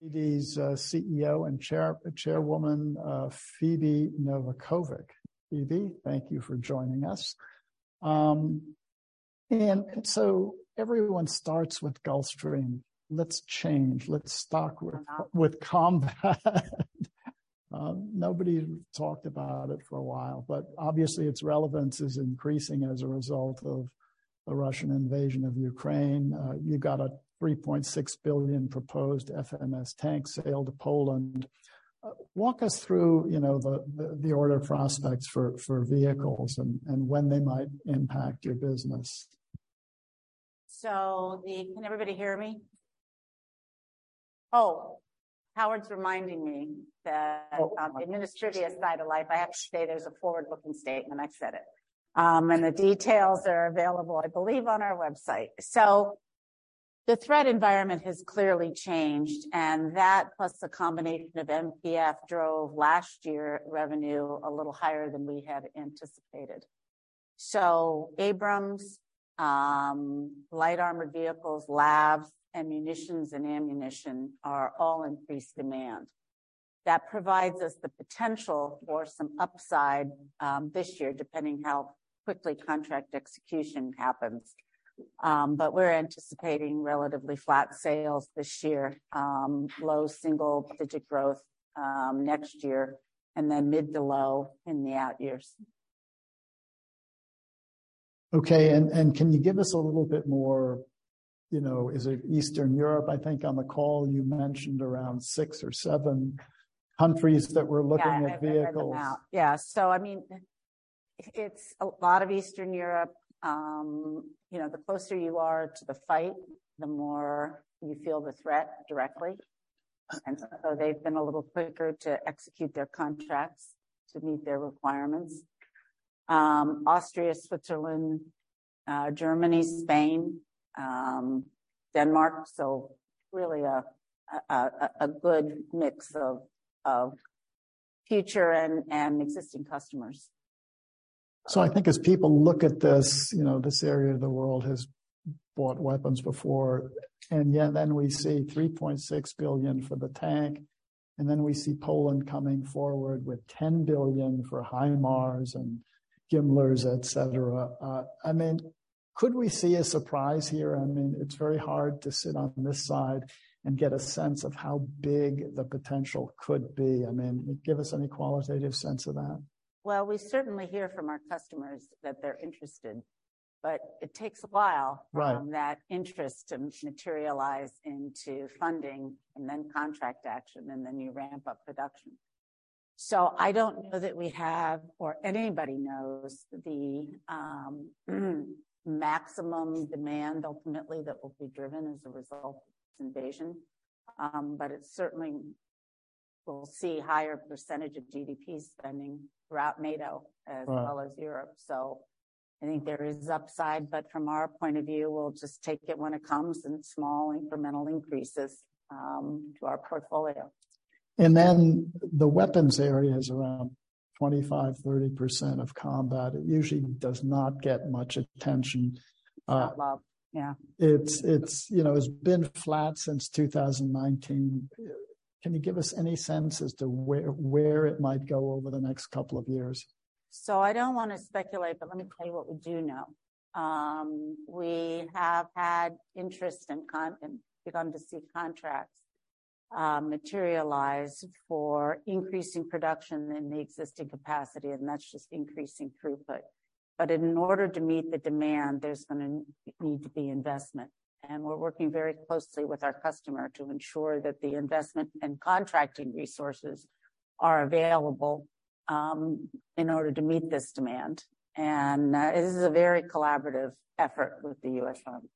These, CEO and Chairwoman, Phebe Novakovic. Phebe, thank you for joining us. Everyone starts with Gulfstream. Let's change. With combat. Nobody talked about it for a while, but obviously, its relevance is increasing as a result of the Russian invasion of Ukraine. You got a $3.6 billion proposed FMS tank sale to Poland. Walk us through, you know, the order prospects for vehicles and when they might impact your business. Can everybody hear me? Oh, Howard's reminding me that the administrative side of life, I have to say there's a forward-looking statement, and I said it. And the details are available, I believe, on our website. The threat environment has clearly changed, and that, plus a combination of MPF, drove last year revenue a little higher than we had anticipated. Abrams, light armored vehicles, LAVs, ammunition are all increased demand. That provides us the potential for some upside this year, depending how quickly contract execution happens. We're anticipating relatively flat sales this year, low single-digit growth next year, and then mid to low in the out years. Okay. Can you give us a little bit more, you know, is it Eastern Europe? I think on the call you mentioned around six or seven countries that were looking at vehicles. Yeah. I mean, it's a lot of Eastern Europe. You know, the closer you are to the fight, the more you feel the threat directly. They've been a little quicker to execute their contracts to meet their requirements. Austria, Switzerland, Germany, Spain, Denmark. Really a good mix of future and existing customers. I think as people look at this, you know, this area of the world has bought weapons before, and yet then we see $3.6 billion for the tank, and then we see Poland coming forward with $10 billion for HIMARS and GMLRS, et cetera. I mean, could we see a surprise here? I mean, it's very hard to sit on this side and get a sense of how big the potential could be. I mean, give us any qualitative sense of that. Well, we certainly hear from our customers that they're interested, but it takes a while... Right. From that interest to materialize into funding and then contract action, and then you ramp up production. I don't know that we have or anybody knows the maximum demand, ultimately, that will be driven as a result of this invasion. It's certainly we'll see higher percentage of GDP spending throughout NATO. Right. As well as Europe. I think there is upside. From our point of view, we'll just take it when it comes in small, incremental increases to our portfolio. The weapons area is around 25%-30% of combat. It usually does not get much attention. Not love. Yeah. It's, you know, it's been flat since 2019. Can you give us any sense as to where it might go over the next couple of years? I don't wanna speculate, but let me tell you what we do know. We have had interest and begun to see contracts materialize for increasing production in the existing capacity, and that's just increasing throughput. In order to meet the demand, there's gonna need to be investment. We're working very closely with our customer to ensure that the investment and contracting resources are available in order to meet this demand. It is a very collaborative effort with the US Army.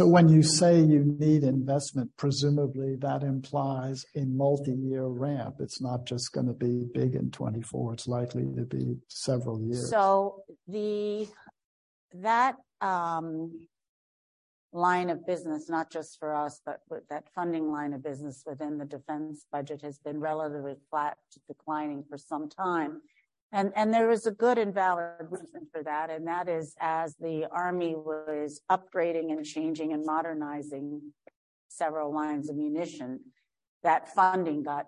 When you say you need investment, presumably that implies a multi-year ramp. It's not just gonna be big in 2024. It's likely to be several years. That line of business, not just for us, but with that funding line of business within the defense budget, has been relatively flat to declining for some time. There is a good and valid reason for that, and that is, as the Army was upgrading and changing and modernizing several lines of munition, that funding got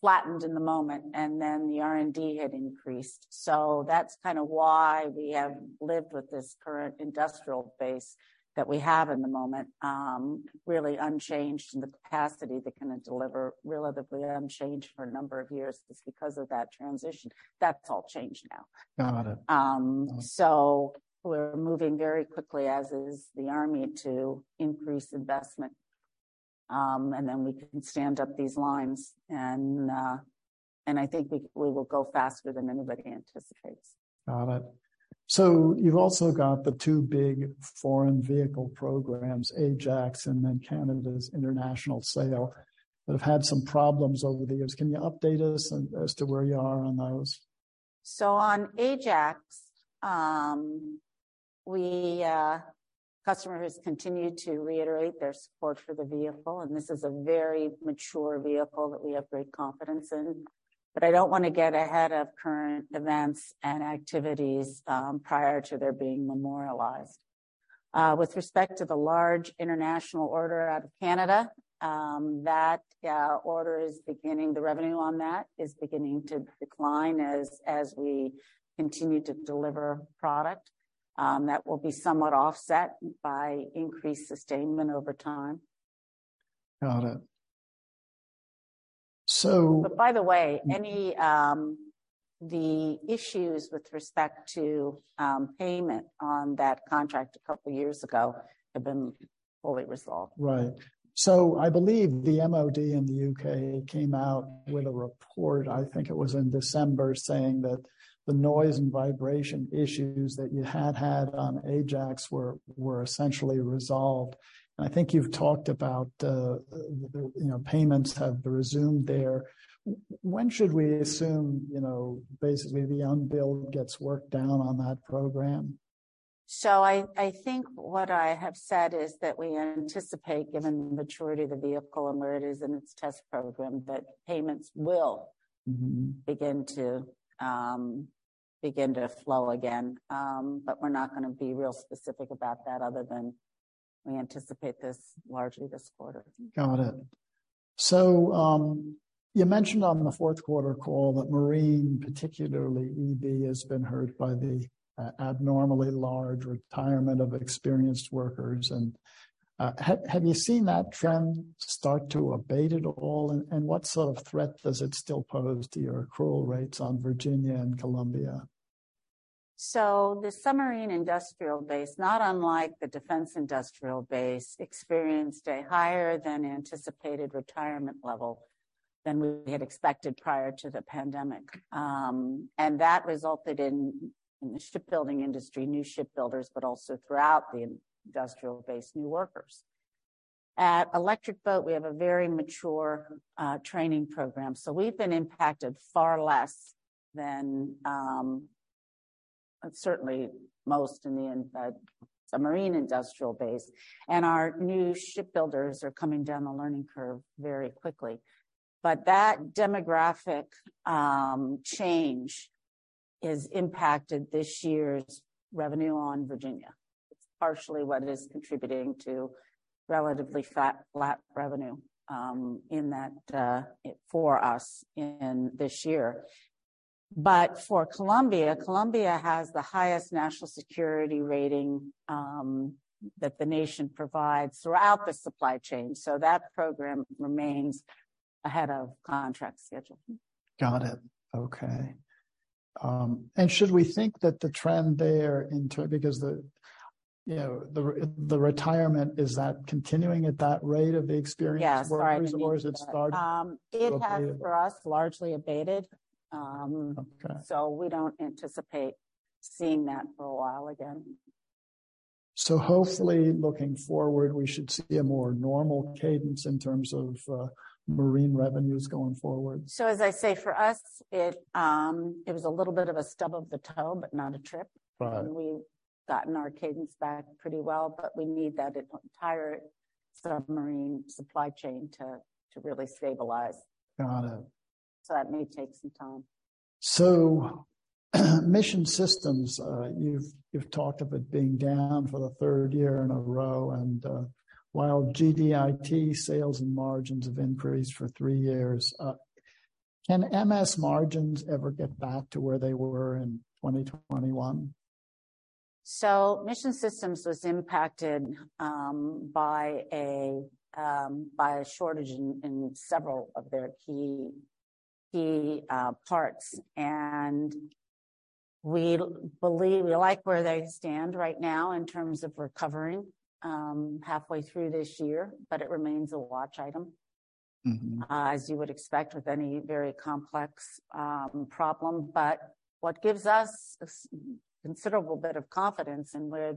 flattened in the moment, and then the R&D had increased. That's kinda why we have lived with this current industrial base that we have in the moment, really unchanged in the capacity to kinda deliver relatively unchanged for a number of years just because of that transition. That's all changed now. Got it. We're moving very quickly, as is the Army, to increase investment, and then we can stand up these lines and I think we will go faster than anybody anticipates. Got it. You've also got the two big foreign vehicle programs, Ajax and then Canada's international sale, that have had some problems over the years. Can you update us as to where you are on those? On Ajax, Customer has continued to reiterate their support for the vehicle, and this is a very mature vehicle that we have great confidence in. I don't wanna get ahead of current events and activities prior to their being memorialized. With respect to the large international order out of Canada, that order is beginning, the revenue on that is beginning to decline as we continue to deliver product. That will be somewhat offset by increased sustainment over time. Got it. By the way, any, the issues with respect to, payment on that contract a couple years ago have been fully resolved. Right. I believe the MOD in the UK came out with a report, I think it was in December, saying that the noise and vibration issues that you had had on Ajax were essentially resolved. I think you've talked about, you know, payments have resumed there. When should we assume, you know, basically the unbilled gets worked down on that program? I think what I have said is that we anticipate, given the maturity of the vehicle and where it is in its test program, that payments begin to flow again. We're not gonna be real specific about that other than we anticipate this largely this quarter. Got it. You mentioned on the fourth quarter call that marine, particularly EB, has been hurt by the abnormally large retirement of experienced workers, and have you seen that trend start to abate at all? What sort of threat does it still pose to your accrual rates on Virginia and Columbia? The submarine industrial base, not unlike the defense industrial base, experienced a higher than anticipated retirement level than we had expected prior to the pandemic. That resulted in the shipbuilding industry, new shipbuilders, but also throughout the industrial base, new workers. At Electric Boat, we have a very mature training program, we've been impacted far less than certainly most in the marine industrial base. Our new shipbuilders are coming down the learning curve very quickly. That demographic change has impacted this year's revenue on Virginia. It's partially what is contributing to relatively flat revenue in that for us in this year. For Columbia has the highest national security rating that the nation provides throughout the supply chain, that program remains ahead of contract schedule. Got it. Okay. Should we think that the trend there because the, you know, the retirement, is that continuing at that rate of the experienced workers? Yes. Has it started to abate? It has for us largely abated. Okay. We don't anticipate seeing that for a while again. Hopefully, looking forward, we should see a more normal cadence in terms of marine revenues going forward. As I say, for us, it was a little bit of a stub of the toe, but not a trip. Right. We've gotten our cadence back pretty well, but we need that entire submarine supply chain to really stabilize. Got it. That may take some time. Mission Systems, you've talked of it being down for the third year in a row, and, while GDIT sales and margins have increased for three years, can MS margins ever get back to where they were in 2021? Mission Systems was impacted by a shortage in several of their key parts. We like where they stand right now in terms of recovering, halfway through this year, but it remains a watch item. As you would expect with any very complex problem. What gives us a considerable bit of confidence in where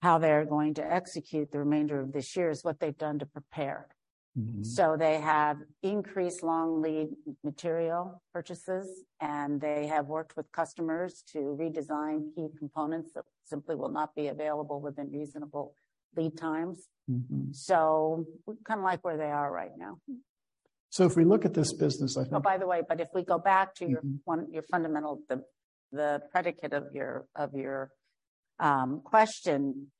how they're going to execute the remainder of this year is what they've done to prepare. They have increased long lead material purchases, and they have worked with customers to redesign key components that simply will not be available within reasonable lead times. We kinda like where they are right now. If we look at this business. Oh, by the way, if we go back to your one, your fundamental, the predicate of your question,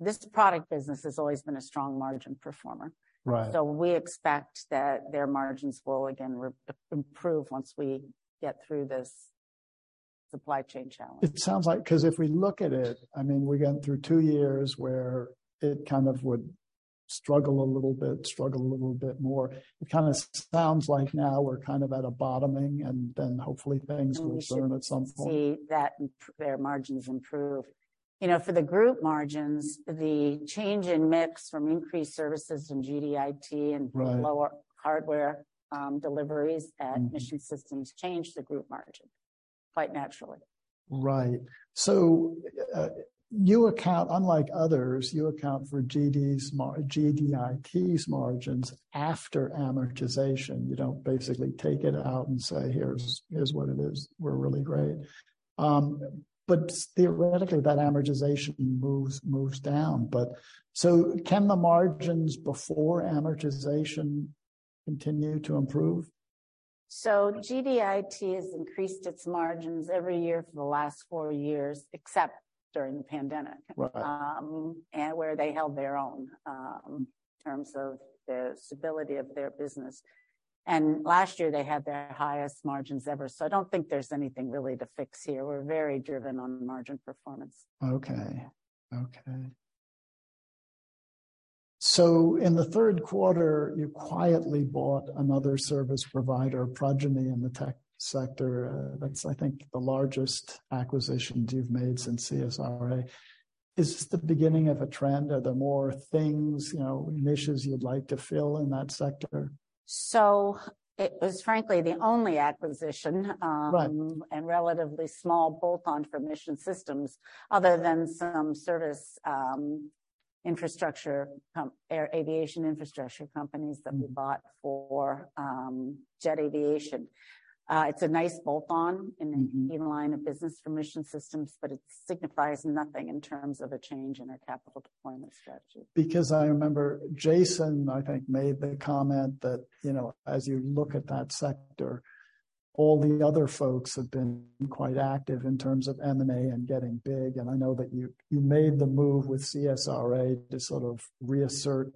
this product business has always been a strong margin performer. Right. We expect that their margins will again re-improve once we get through this supply chain challenge. It sounds like, 'cause if we look at it, I mean, we're going through 2 years where it kind of would struggle a little bit more. It kinda sounds like now we're kind of at a bottoming. Hopefully things will turn at some point. We should see that their margins improve. You know, for the group margins, the change in mix from increased services in GDIT- Right lower hardware, deliveries at Mission Systems change the group margin quite naturally. You account, unlike others, you account for GDIT's margins after amortization. You don't basically take it out and say, "Here's what it is. We're really great." Theoretically, that amortization moves down, but so can the margins before amortization continue to improve? GDIT has increased its margins every year for the last four years, except during the pandemic. Right. Where they held their own, in terms of the stability of their business. Last year they had their highest margins ever. I don't think there's anything really to fix here. We're very driven on margin performance. Okay. Okay. In the third quarter, you quietly bought another service provider, Progeny, in the tech sector. That's, I think, the largest acquisition you've made since CSRA. Is this the beginning of a trend? Are there more things, you know, niches you'd like to fill in that sector? It was frankly, the only acquisition. Right and relatively small bolt-on for Mission Systems other than some service, air aviation infrastructure companies that we bought for, Jet Aviation. It's a nice bolt-on in line of business for Mission Systems, but it signifies nothing in terms of a change in our capital deployment strategy. I remember Jason, I think, made the comment that, you know, as you look at that sector, all the other folks have been quite active in terms of M&A and getting big, and I know that you made the move with CSRA to sort of reassert,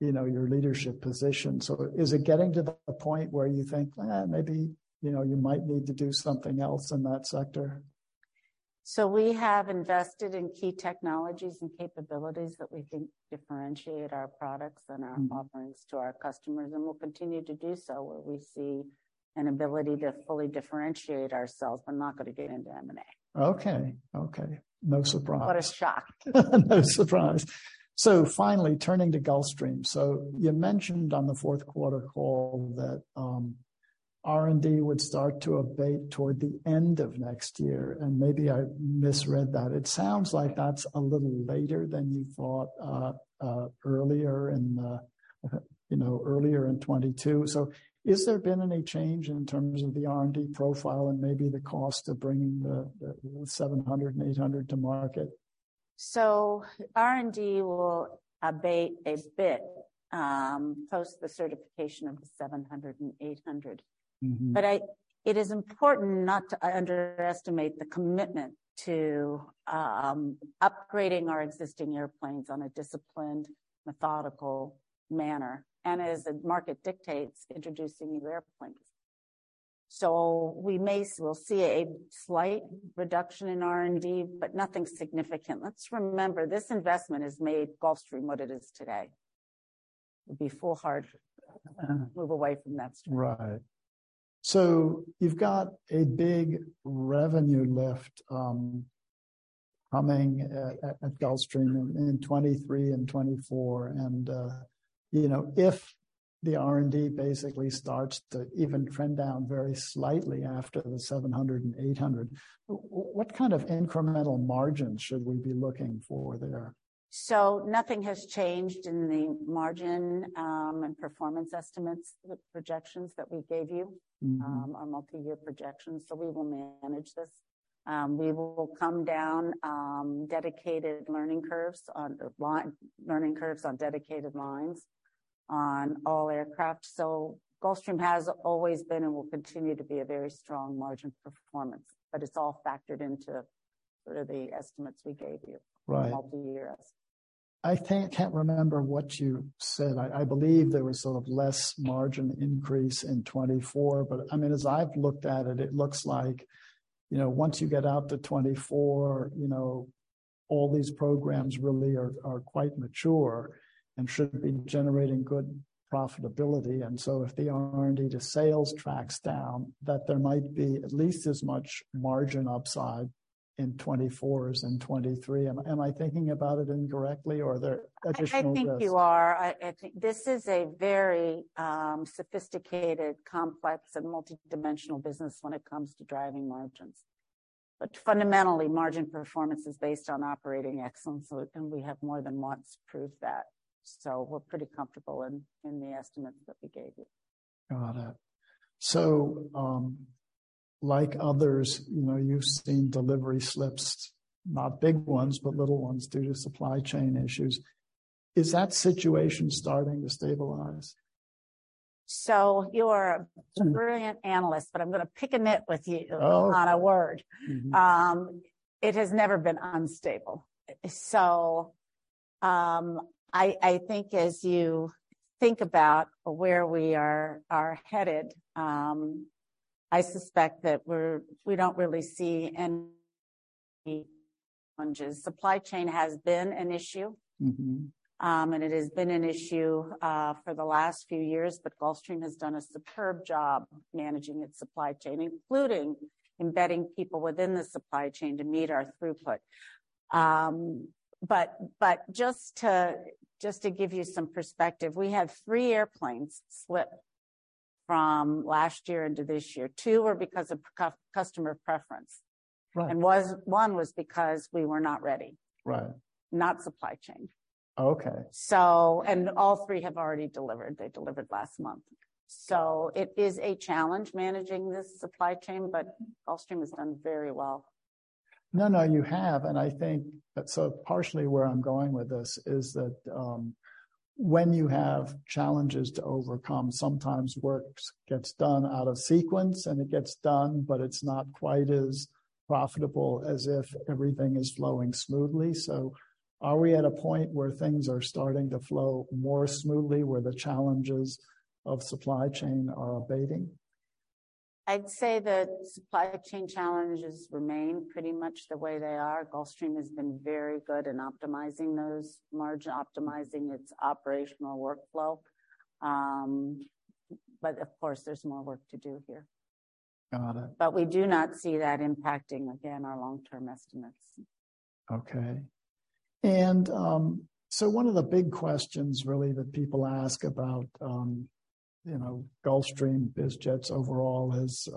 you know, your leadership position. Is it getting to the point where you think, eh, maybe, you know, you might need to do something else in that sector? We have invested in key technologies and capabilities that we think differentiate our products and our offerings to our customers, and we'll continue to do so where we see an ability to fully differentiate ourselves. I'm not gonna get into M&A. Okay. Okay. No surprise. What a shock. No surprise. Finally, turning to Gulfstream. You mentioned on the fourth quarter call that R&D would start to abate toward the end of next year, and maybe I misread that. It sounds like that's a little later than you thought, you know, earlier in 2022. Has there been any change in terms of the R&D profile and maybe the cost of bringing the G700 and G800 to market? R&D will abate a bit, post the certification of the 700 and 800. It is important not to underestimate the commitment to upgrading our existing airplanes on a disciplined, methodical manner, and as the market dictates, introducing new airplanes. We'll see a slight reduction in R&D, but nothing significant. Let's remember, this investment has made Gulfstream what it is today. It would be foolhard to move away from that strategy. Right. You've got a big revenue lift, coming at Gulfstream in 2023 and 2024. You know, if the R&D basically starts to even trend down very slightly after the 700 and 800, what kind of incremental margins should we be looking for there? nothing has changed in the margin, and performance estimates, the projections that we gave you. Our multi-year projections, so we will manage this. We will come down, dedicated learning curves on dedicated lines on all aircraft. Gulfstream has always been and will continue to be a very strong margin performance, but it's all factored into sort of the estimates we gave you. Right over the years. I can't remember what you said. I believe there was sort of less margin increase in 2024, but I mean, as I've looked at it looks like, you know, once you get out to 2024, you know, all these programs really are quite mature and should be generating good profitability. If the R&D to sales tracks down, that there might be at least as much margin upside in 2024 as in 2023. Am I thinking about it incorrectly or are there additional risks? I think you are. I think this is a very sophisticated, complex, and multidimensional business when it comes to driving margins. Fundamentally, margin performance is based on operating excellence, and we have more than once proved that. We're pretty comfortable in the estimates that we gave you. Got it. like others, you know, you've seen delivery slips, not big ones, but little ones due to supply chain issues. Is that situation starting to stabilize? you're a brilliant analyst, but I'm gonna pick a nit with you. Oh on a word. It has never been unstable. I think as you think about where we are headed, I suspect that we don't really see any challenges. Supply chain has been an issue. It has been an issue for the last few years, but Gulfstream has done a superb job managing its supply chain, including embedding people within the supply chain to meet our throughput. Just to give you some perspective, we had three airplanes slip from last year into this year. two were because of customer preference. Right. one was because we were not ready. Right. Not supply chain. Okay. All three have already delivered. They delivered last month. It is a challenge managing this supply chain, but Gulfstream has done very well. No, no, you have. I think that partially where I'm going with this is that, when you have challenges to overcome, sometimes work gets done out of sequence, and it gets done, but it's not quite as profitable as if everything is flowing smoothly. Are we at a point where things are starting to flow more smoothly, where the challenges of supply chain are abating? I'd say that supply chain challenges remain pretty much the way they are. Gulfstream has been very good in optimizing those margin, optimizing its operational workflow. Of course, there's more work to do here. Got it. We do not see that impacting, again, our long-term estimates. Okay. One of the big questions really that people ask about, you know, Gulfstream biz jets overall is,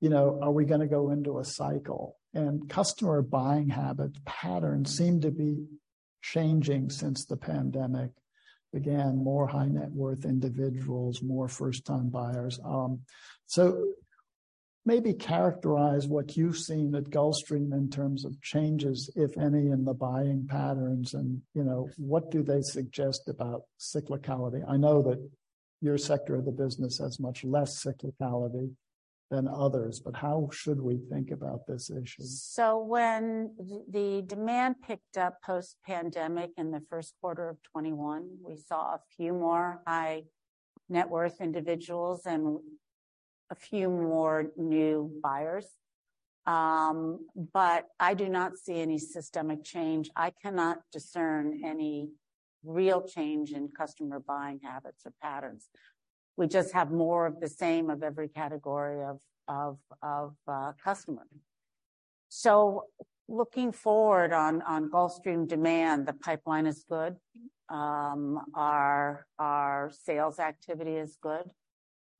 you know, are we gonna go into a cycle? Customer buying habits patterns seem to be changing since the pandemic. Again, more high net worth individuals, more first-time buyers. Maybe characterize what you've seen at Gulfstream in terms of changes, if any, in the buying patterns, and, you know, what do they suggest about cyclicality? I know that your sector of the business has much less cyclicality than others, but how should we think about this issue? When the demand picked up post-pandemic in the first quarter of 2021, we saw a few more high net worth individuals and a few more new buyers. I do not see any systemic change. I cannot discern any real change in customer buying habits or patterns. We just have more of the same of every category of customer. Looking forward on Gulfstream demand, the pipeline is good. Our sales activity is good.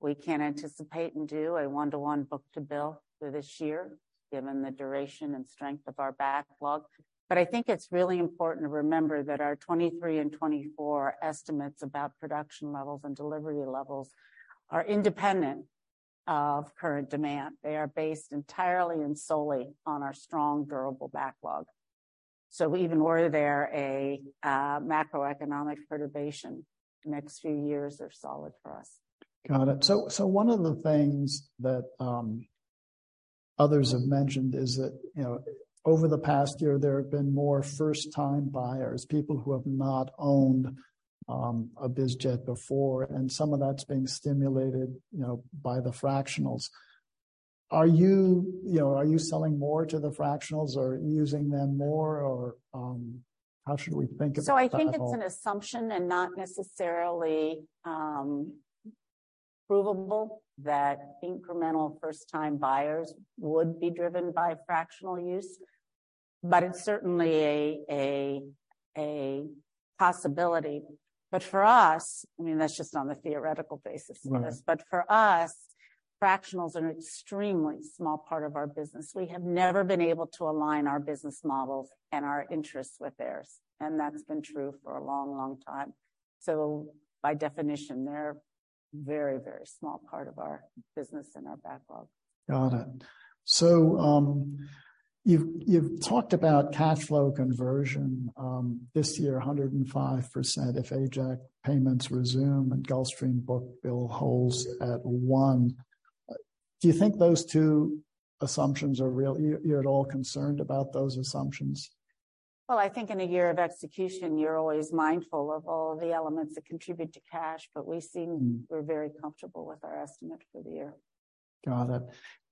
We can anticipate and do a one-one book-to-bill for this year, given the duration and strength of our backlog. I think it's really important to remember that our 2023 and 2024 estimates about production levels and delivery levels are independent of current demand. They are based entirely and solely on our strong, durable backlog. Even were there a macroeconomic perturbation, the next few years are solid for us. Got it. One of the things that others have mentioned is that, you know, over the past year, there have been more first-time buyers, people who have not owned a biz jet before, and some of that's being stimulated, you know, by the fractionals. Are you know, selling more to the fractionals or using them more or, how should we think about that at all? I think it's an assumption and not necessarily provable that incremental first-time buyers would be driven by fractional use, but it's certainly a, a possibility. For us, I mean, that's just on the theoretical basis of this. For us, fractionals are an extremely small part of our business. We have never been able to align our business models and our interests with theirs, and that's been true for a long, long time. By definition, they're very, very small part of our business and our backlog. Got it. you've talked about cash flow conversion this year, 105% if Ajax payments resume and Gulfstream book bill holds at one. Do you think those two assumptions are real? Are you at all concerned about those assumptions? Well, I think in a year of execution, you're always mindful of all the elements that contribute to cash. We're very comfortable with our estimate for the year. Got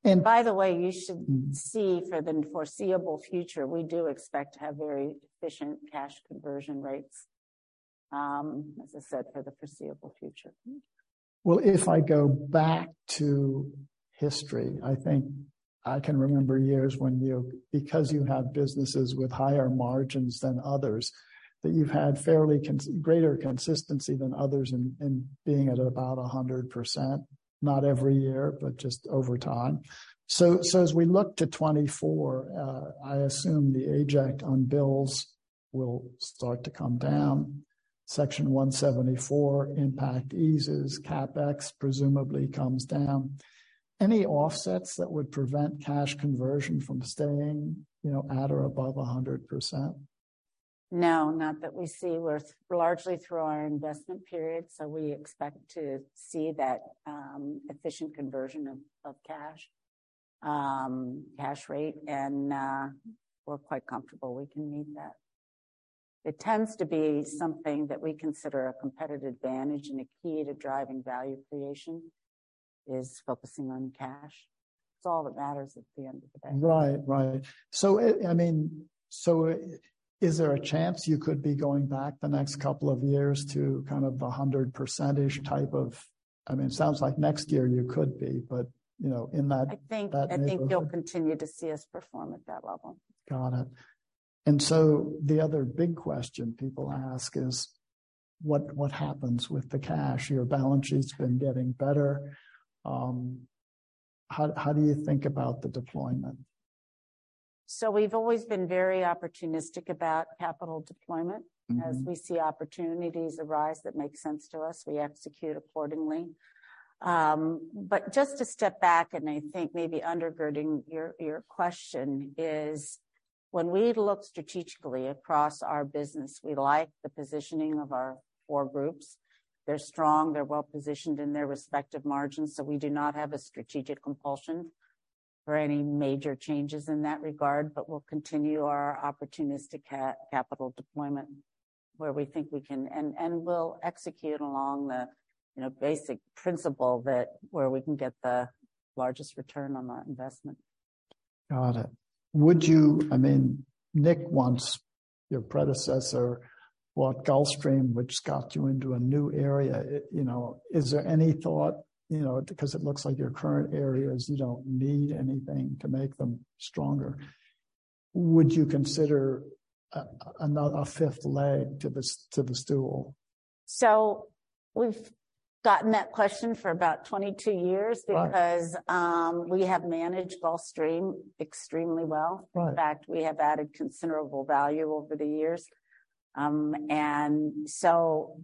it. By the way, you should see for the foreseeable future, we do expect to have very efficient cash conversion rates, as I said, for the foreseeable future. If I go back to history, I think I can remember years when because you have businesses with higher margins than others, that you've had fairly greater consistency than others in being at about 100%, not every year, but just over time. So as we look to 2024, I assume the Ajax unbilleds will start to come down. Section 174 impact eases, CapEx presumably comes down. Any offsets that would prevent cash conversion from staying, you know, at or above 100%? Not that we see. We're largely through our investment period, so we expect to see that efficient conversion of cash rate, and we're quite comfortable we can meet that. It tends to be something that we consider a competitive advantage, and a key to driving value creation is focusing on cash. It's all that matters at the end of the day. Right. Right. I mean, so is there a chance you could be going back the next couple of years to kind of the 100% type of... I mean, it sounds like next year you could be, you know, in that... I think- that middle I think you'll continue to see us perform at that level. Got it. The other big question people ask is, what happens with the cash? Your balance sheet's been getting better. How do you think about the deployment? We've always been very opportunistic about capital deployment. As we see opportunities arise that make sense to us, we execute accordingly. Just to step back, and I think maybe undergirding your question is when we look strategically across our business, we like the positioning of our four groups. They're strong, they're well-positioned in their respective margins, We do not have a strategic compulsion for any major changes in that regard. We'll continue our opportunistic capital deployment where we think we can... We'll execute along the, you know, basic principle that where we can get the largest return on that investment. Got it. I mean, Nick wants your predecessor bought Gulfstream, which got you into a new area. It, you know. Is there any thought, you know, because it looks like your current areas, you don't need anything to make them stronger. Would you consider a fifth leg to the stool? We've gotten that question for about 22 years. Right... because we have managed Gulfstream extremely well. Right. In fact, we have added considerable value over the years. Gulfstream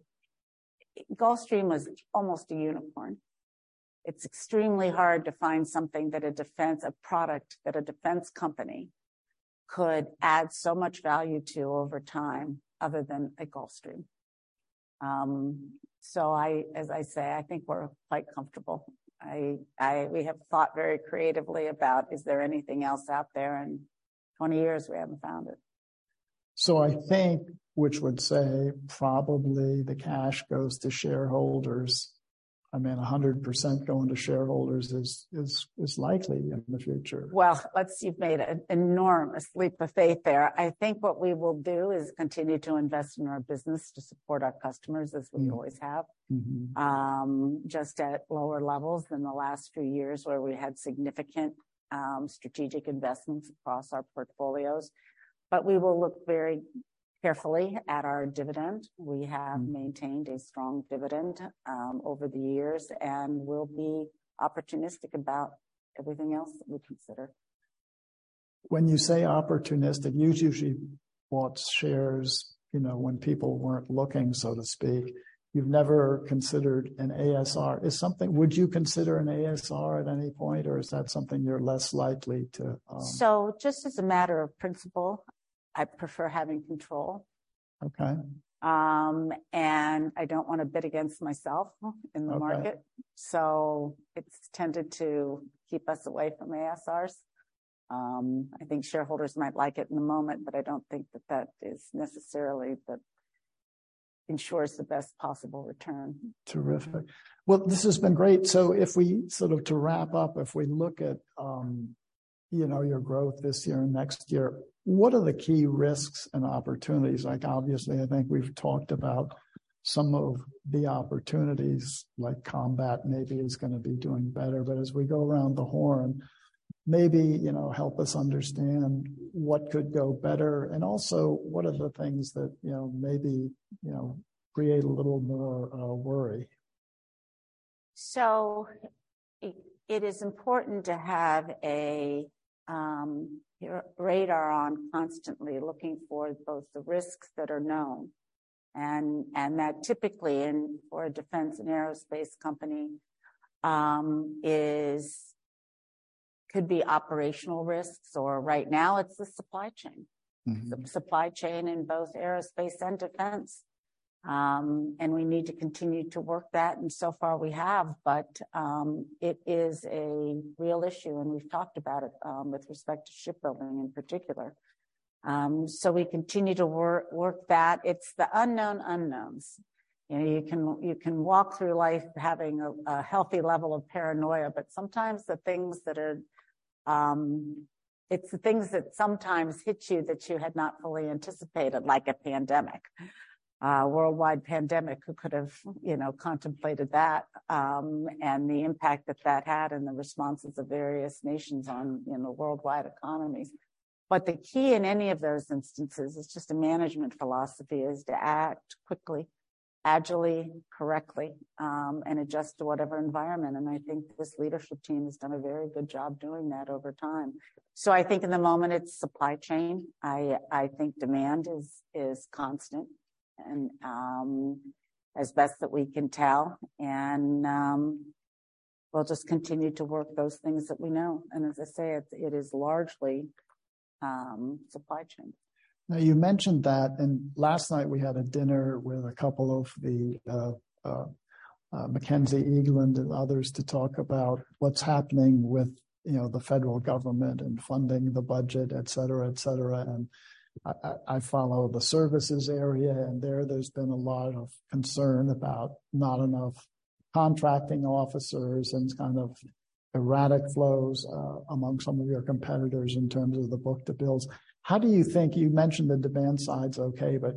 was almost a unicorn. It's extremely hard to find something that a defense, a product that a defense company could add so much value to over time other than a Gulfstream. I, as I say, I think we're quite comfortable. We have thought very creatively about is there anything else out there? In 20 years, we haven't found it. I think, which would say probably the cash goes to shareholders. I mean, 100% going to shareholders is likely in the future. Well, You've made an enormous leap of faith there. I think what we will do is continue to invest in our business to support our customers, as we always have. Just at lower levels than the last few years where we had significant strategic investments across our portfolios. We will look very carefully at our dividend. We have maintained a strong dividend over the years, and we'll be opportunistic about everything else that we consider. When you say opportunistic, you usually bought shares, you know, when people weren't looking, so to speak. You've never considered an ASR. Would you consider an ASR at any point, or is that something you're less likely to? Just as a matter of principle, I prefer having control. Okay. I don't wanna bid against myself in the market. Okay. It's tended to keep us away from ASRs. I think shareholders might like it in the moment, but I don't think that that is necessarily ensures the best possible return. Terrific. Well, this has been great. If we sort of to wrap up, if we look at, you know, your growth this year and next year, what are the key risks and opportunities? Like, obviously, I think we've talked about some of the opportunities, like combat maybe is gonna be doing better. As we go around the horn, maybe, you know, help us understand what could go better and also what are the things that, you know, maybe, you know, create a little more worry. It is important to have your radar on constantly looking for both the risks that are known and that typically in for a defense and aerospace company, is could be operational risks or right now it's the supply chain. The supply chain in both aerospace and defense. We need to continue to work that, and so far we have. It is a real issue, and we've talked about it with respect to shipbuilding in particular. We continue to work that. It's the unknown unknowns. You know, you can walk through life having a healthy level of paranoia, but sometimes it's the things that sometimes hit you that you had not fully anticipated, like a pandemic. A worldwide pandemic could have, you know, contemplated that, and the impact that that had and the responses of various nations on, you know, worldwide economies. The key in any of those instances is just a management philosophy, is to act quickly, agilely, correctly, and adjust to whatever environment. I think this leadership team has done a very good job doing that over time. I think in the moment, it's supply chain. I think demand is constant and as best that we can tell. We'll just continue to work those things that we know. As I say, it is largely supply chain. You mentioned that. Last night we had a dinner with a couple of the, Mackenzie Eaglen and others to talk about what's happening with, you know, the federal government and funding the budget, et cetera, et cetera. I follow the services area, there's been a lot of concern about not enough contracting officers and kind of erratic flows, among some of your competitors in terms of the book-to-bill. How do you think, you mentioned the demand side's okay, but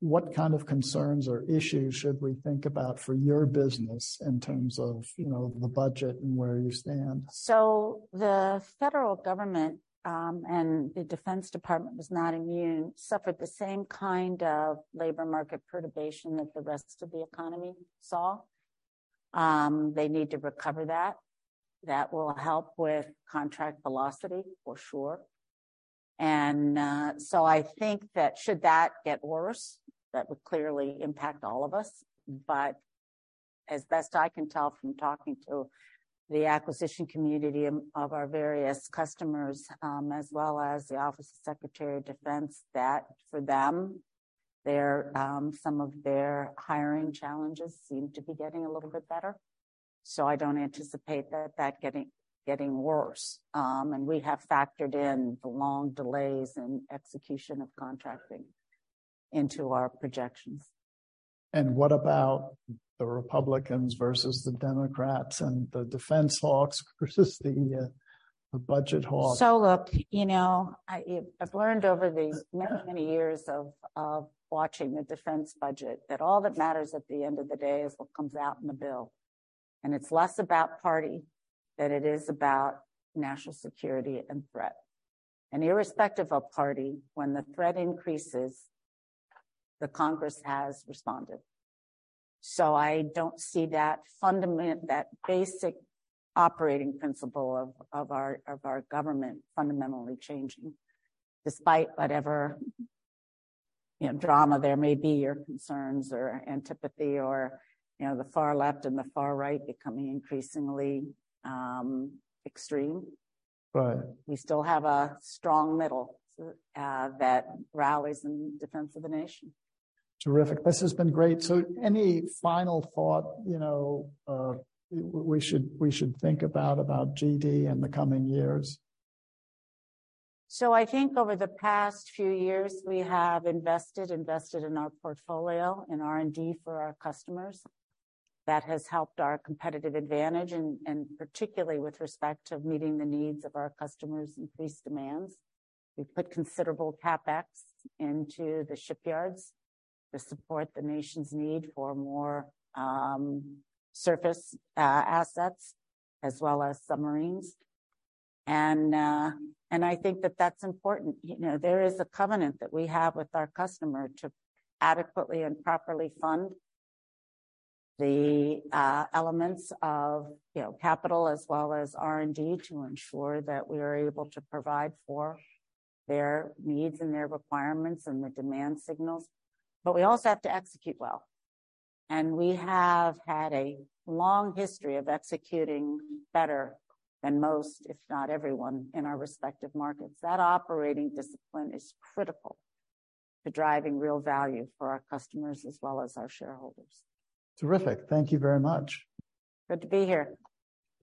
what kind of concerns or issues should we think about for your business in terms of, you know, the budget and where you stand? The federal government, and the Defense Department was not immune, suffered the same kind of labor market perturbation that the rest of the economy saw. They need to recover that. That will help with contract velocity for sure. I think that should that get worse, that would clearly impact all of us. As best I can tell from talking to the acquisition community and of our various customers, as well as the Office of Secretary of Defense, that for them, their some of their hiring challenges seem to be getting a little bit better. I don't anticipate that getting worse. We have factored in the long delays and execution of contracting into our projections. What about the Republicans versus the Democrats and the defense hawks versus the budget hawks? Look, you know, I've learned over these many, many years of watching the defense budget that all that matters at the end of the day is what comes out in the bill. It's less about party than it is about national security and threat. Irrespective of party, when the threat increases, the Congress has responded. I don't see that basic operating principle of our government fundamentally changing despite whatever, you know, drama there may be, or concerns, or antipathy or, you know, the far left and the far right becoming increasingly extreme. Right. We still have a strong middle, that rallies in defense of the nation. Terrific. This has been great. Any final thought, you know, we should think about GD in the coming years? I think over the past few years, we have invested in our portfolio, in R&D for our customers. That has helped our competitive advantage, and particularly with respect to meeting the needs of our customers increased demands. We've put considerable CapEx into the shipyards to support the nation's need for more surface assets as well as submarines. I think that that's important. You know, there is a covenant that we have with our customer to adequately and properly fund the elements of, you know, capital as well as R&D to ensure that we are able to provide for their needs and their requirements and the demand signals. We also have to execute well, and we have had a long history of executing better than most, if not everyone, in our respective markets. That operating discipline is critical to driving real value for our customers as well as our shareholders. Terrific. Thank you very much. Good to be here.